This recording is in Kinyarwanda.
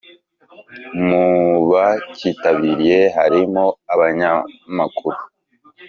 Mu bacyitabiriye harimo abanyamakuru